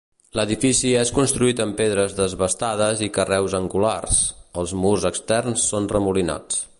L'edifici és construït amb pedres desbastades i carreus angulars; els murs externs són remolinats.